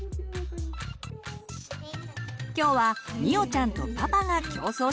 今日はみおちゃんとパパが競争します！